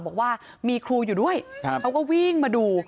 บอกว่ามีครูอยู่ด้วยเขาก็วิ่งมาดู